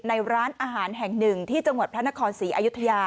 ในร้านอาหารแห่งหนึ่งที่จังหวัดพระนครศรีอยุธยา